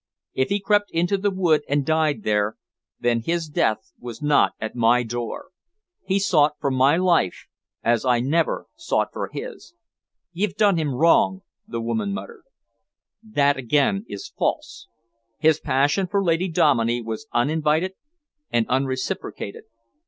If he crept into the wood and died there, then his death was not at my door. He sought for my life as I never sought for his." "You'd done him wrong," the woman muttered. "That again is false. His passion for Lady Dominey was uninvited and unreciprocated.